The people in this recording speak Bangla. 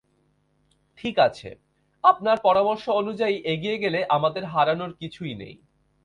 ঠিক আছে, আপনার পরামর্শ অনুযায়ী এগিয়ে গেলে আমাদের হারানোর কিছুই নেই।